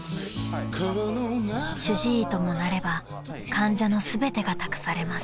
［主治医ともなれば患者の全てが託されます］